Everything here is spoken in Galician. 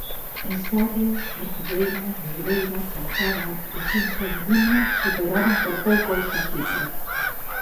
E Sarria, Ortigueira, Negreira, Chantada e Xinzo de Limia superaron por pouco esa cifra.